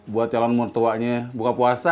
buat calon mertuanya buka puasa